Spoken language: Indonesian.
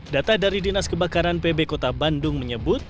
data dari dinas kebakaran pb kota bandung menyebut